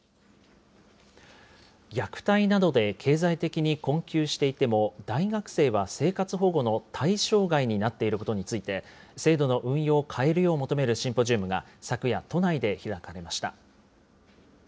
虐待などで経済的に困窮していても、大学生は生活保護の対象外になっていることについて、制度の運用を変えるよう求めるシンポジウムが、昨夜、都内で開かれました。